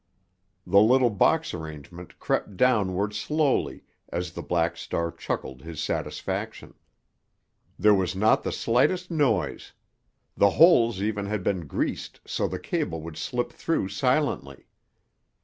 The little box arrangement crept downward slowly as the Black Star chuckled his satisfaction. There was not the slightest noise; the holes even had been greased so the cable would slip through silently.